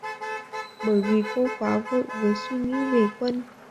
Bởi vì cô quá vội với suy nghĩ về quân